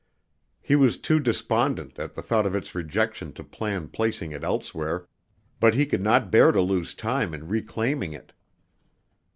He was too despondent at the thought of its rejection to plan placing it elsewhere, but he could not bear to lose time in reclaiming it.